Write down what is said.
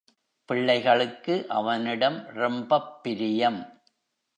பிள்ளைகளுக்கு அவனிடம் ரொம்பப் பிரியம்.